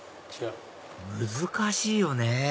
難しいよね